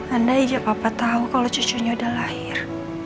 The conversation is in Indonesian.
andai aja papa tau kalo cucunya udah lahir